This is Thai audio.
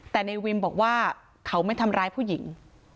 แต่ในวิมบอกว่าเขาไม่ทำร้ายผู้หญิง